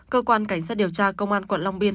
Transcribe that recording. cơ quan cảnh sát điều tra công an quận long biên